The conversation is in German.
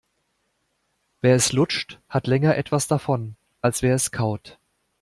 Wer es lutscht, hat länger etwas davon, als wer es kaut.